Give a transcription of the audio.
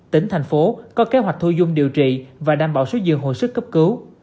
tỉnh thành phố có kế hoạch thu dung điều trị và đảm bảo số giường hồi sức cấp cứu